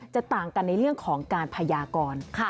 ต่างกันในเรื่องของการพยากร